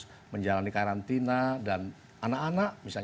karena kalau kita sudah dikawal kita harus mengambil sikap yang jelas